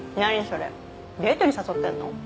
それデートに誘ってんの？